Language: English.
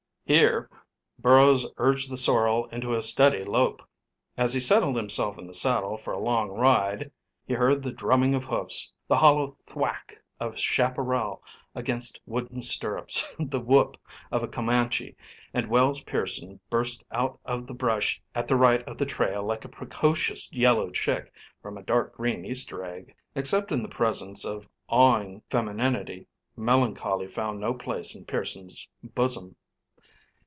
Here Burrows urged the sorrel into a steady lope. As he settled himself in the saddle for a long ride he heard the drumming of hoofs, the hollow "thwack" of chaparral against wooden stirrups, the whoop of a Comanche; and Wells Pearson burst out of the brush at the right of the trail like a precocious yellow chick from a dark green Easter egg. Except in the presence of awing femininity melancholy found no place in Pearson's bosom.